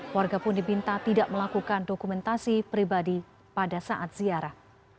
warga pun dibinta tidak melakukan dokumentasi pribadi pada saat ziarah